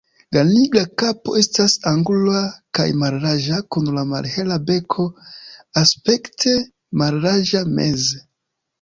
La nigra kapo estas angula kaj mallarĝa kun la malhela beko aspekte mallarĝa meze.